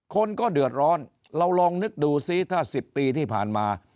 คนก็เดือดร้อนเราลองนึกดูซิถ้า๑๐ปีที่ผ่านมา